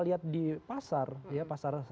lihat di pasar pasar